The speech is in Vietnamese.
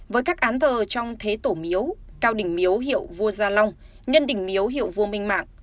với các án thờ trong thế tổ miếu cao đỉnh miếu hiệu vua gia long nhân đỉnh miếu hiệu vua minh mạng